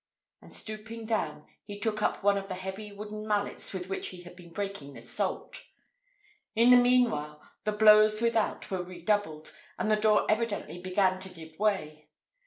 and stooping down he took up one of the heavy wooden mallets with which he had been breaking the salt. In the meanwhile, the blows without were redoubled, and the door evidently began to give way.